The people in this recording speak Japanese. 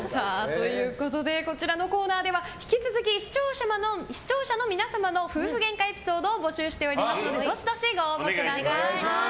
こちらのコーナーでは引き続き視聴者の皆様の夫婦ゲンカエピソードを募集しておりますのでどしどしご応募ください。